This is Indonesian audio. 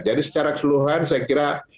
jadi secara keseluruhan saya kira